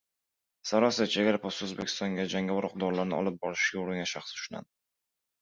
«Sariosiyo» chegara postida O‘zbekistonga jangovar o‘q-dorilarni olib kirishga uringan shaxs ushlandi